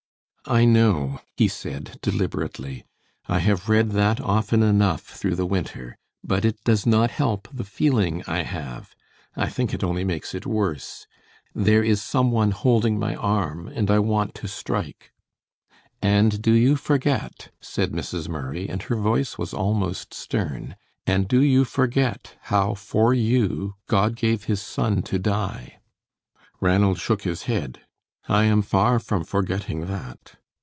"I know," he said, deliberately; "I have read that often through the winter, but it does not help the feeling I have. I think it only makes it worse. There is some one holding my arm, and I want to strike." "And do you forget," said Mrs. Murray, and her voice was almost stern, "and do you forget how, for you, God gave His Son to die?" Ranald shook his head. "I am far from forgetting that."